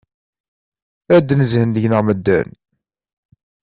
Ad d-nezhen deg-neɣ medden!